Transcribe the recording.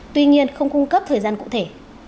tuy nhiên không cung cấp thời gian cụ thể